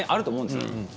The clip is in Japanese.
当然あると思うんです。